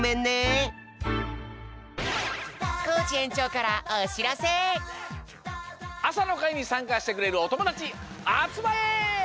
だるまさんあさのかいにさんかしてくれるおともだちあつまれ！